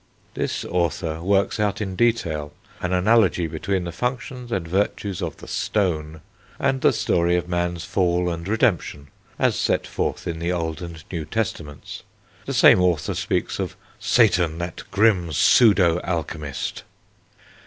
This author works out in detail an analogy between the functions and virtues of the Stone, and the story of man's fall and redemption, as set forth in the Old and New Testaments. The same author speaks of "Satan, that grim pseudo alchemist."